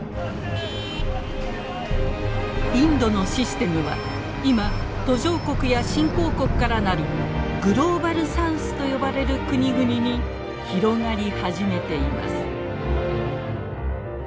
インドのシステムは今途上国や新興国から成るグローバル・サウスと呼ばれる国々に広がり始めています。